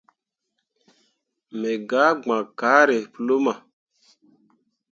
Me gah gbakke kaare pu luma.